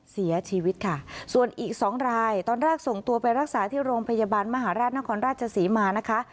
เสียชีวิตค่ะส่วนอีกสองรายตอนแรกส่งตัวไปรักษาที่โรงพยาบาลมหาราชนครราชศรีมานะคะ